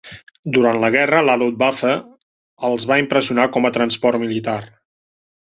Durant la guerra, la "Luftwaffe" els va impressionar com a transport militar.